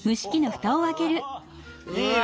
おいいね！